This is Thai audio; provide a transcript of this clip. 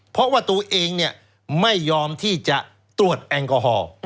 เพราะว่าตัวเองไม่ยอมที่จะตรวจแอลกอฮอล์